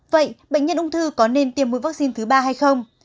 vậy bệnh nhân ung thư có nên tiêm mua vaccine thứ ba hay không